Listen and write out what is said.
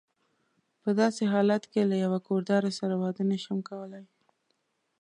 په داسې حالت کې له یوه کور داره سره واده نه شم کولای.